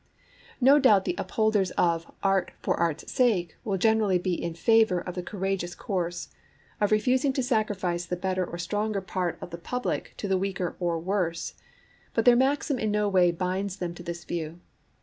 No doubt the upholders of 'Art for art's sake' will[Pg 15] generally be in favour of the courageous course, of refusing to sacrifice the better or stronger part of the public to the weaker or worse; but their maxim in no way binds them to this view.